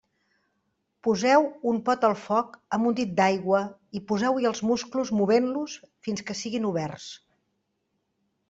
Poseu un pot al foc amb un dit d'aigua i poseu-hi els musclos movent-los fins que siguin oberts.